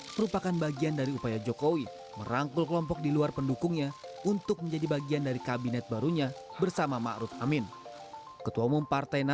pertemuan yang berlangsung menjelang pelantikan jokowi maruf aminini